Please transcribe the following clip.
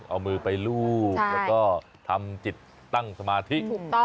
เอามือไปลูกแล้วก็ทำจิตตั้งสมาธิ